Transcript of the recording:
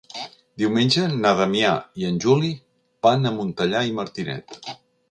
Diumenge na Damià i en Juli van a Montellà i Martinet.